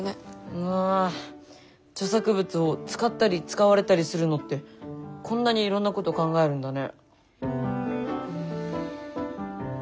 うわ著作物を使ったり使われたりするのってこんなにいろんなこと考えるんだね。